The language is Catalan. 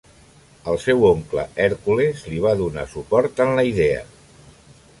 El seu oncle Hèrcules li va donar suport en la idea.